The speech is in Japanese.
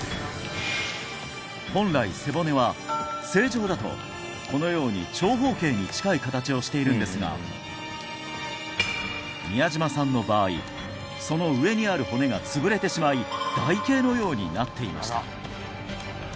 本来背骨は正常だとこのように長方形に近い形をしているんですが宮島さんの場合その上にある骨が潰れてしまい台形のようになっていました